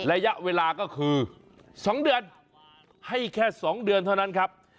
ระยะเวลาก็คือ๒เดือนให้แค่๒เดือนเท่านั้นครับ